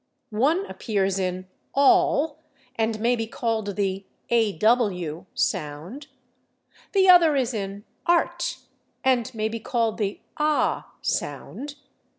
One appears in /all/, and may be called the /aw/ sound. The other is in /art/, and may be called the /ah/ sound.